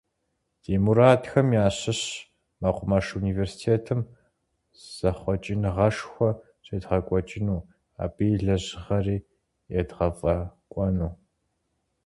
Ди мурадхэм ящыщщ мэкъумэш университетым зэхъуэкӏыныгъэшхуэ щедгъэкӏуэкӏыну, абы и лэжьыгъэри едгъэфӏэкӏуэну.